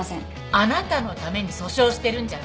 あなたのために訴訟してるんじゃない。